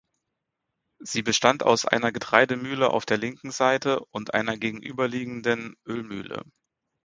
Sie bestand aus einer Getreidemühle auf der linken Seite und einer gegenüberliegenden Ölmühle.